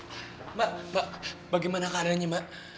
eh mak mak bagaimana keadaannya mak